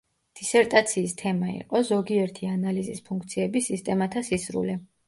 დისერტაციის თემა იყო: „ზოგიერთი ანალიზის ფუნქციების სისტემათა სისრულე“.